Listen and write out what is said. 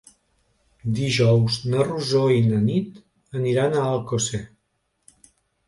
Dijous na Rosó i na Nit aniran a Alcosser.